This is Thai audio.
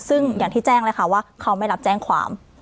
ซึ่งอย่างที่แจ้งเลยค่ะว่าเขาไม่รับแจ้งความ